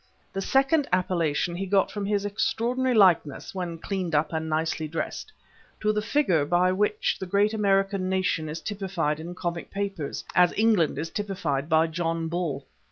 The second appellation he got from his extraordinary likeness (when cleaned up and nicely dressed) to the figure by which the great American nation is typified in comic papers, as England is typified by John Bull.